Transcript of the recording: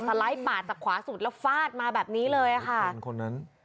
สไลด์ปากจากขวาสุดแล้วฟาดมาแบบนี้เลยค่ะ